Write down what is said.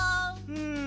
うん。